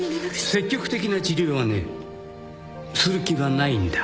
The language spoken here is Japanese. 積極的な治療はねする気はないんだ。